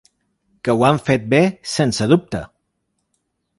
Que ho han fet bé, sense dubte.